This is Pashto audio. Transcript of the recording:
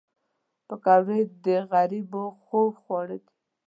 پکورې د غریبو خوږ خواړه دي